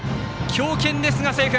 強肩ですが、セーフ。